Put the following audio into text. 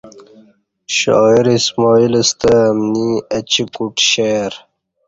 شاعر اسماعیل ستہ امنی اہ چی کوٹ شعر